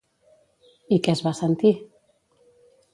I què es va sentir?